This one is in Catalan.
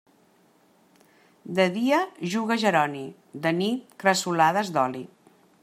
De dia juga Jeroni; de nit, cresolades d'oli.